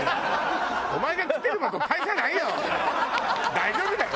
大丈夫だよ！